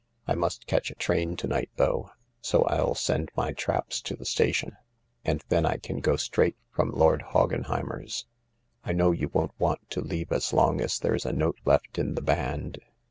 I must catch a train to night, though, so HI send my traps to the station THE LARK 11 and then I can go straight from Lord Hoggenheimer's. I know you won't want to leave as long as there's a note left in the band."